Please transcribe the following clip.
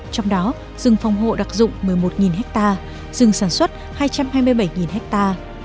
trong đó rừng phòng hộ đặc dụng một mươi một ha rừng sản xuất hai trăm hai mươi bảy ha